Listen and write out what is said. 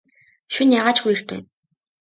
Шөнө яагаа ч үгүй эрт байна.